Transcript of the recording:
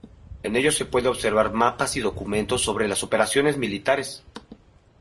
En ellos se pueden observar mapas y documentos sobre las operaciones militares.